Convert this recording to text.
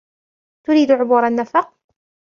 تريد عبور النفق ؟